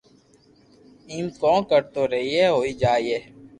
ايم ڪوم ڪرتو رھييي ھوئي جائي